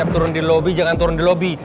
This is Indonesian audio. jangan turun di lobi jangan turun di lobi